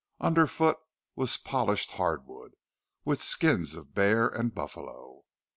Underfoot was polished hardwood, with skins of bear and buffalo.